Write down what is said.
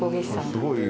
すごい。